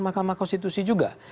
mahkamah konstitusi juga